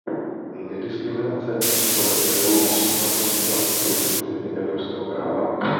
Nediskriminace a svoboda projevu jsou naprosto základními principy evropského práva.